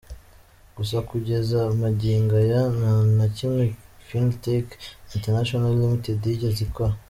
Gusa kugeza magingo aya nta na kimwe FinTech International Limited yigeze ikora.